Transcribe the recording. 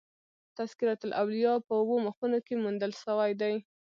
تذکرة الاولیاء" په اوو مخونو کښي موندل سوى دئ.